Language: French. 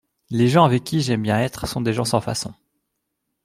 Les gens avec qui j’aime bien être sont des gens sans façons.